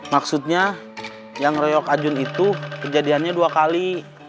maksudnya yang royok ajun itu kejadiannya dua kali